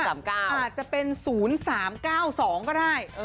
อาจจะเป็น๐๓๙๒ก็ได้